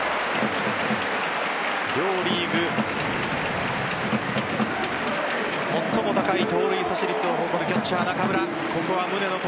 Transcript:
両リーグ最も高い盗塁阻止率を誇るキャッチャー・中村。